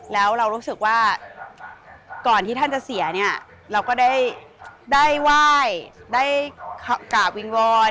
แล้วเรารู้สึกว่าก่อนที่ท่านจะเสียเราก็ได้ว่ายได้กล่าววิงวอน